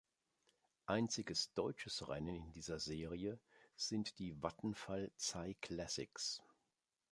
Einziges deutsches Rennen in dieser Serie sind die Vattenfall Cyclassics.